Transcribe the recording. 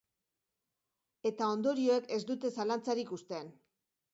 Eta ondorioek ez dute zalantzarik uzten.